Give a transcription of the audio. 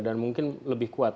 dan mungkin lebih kuat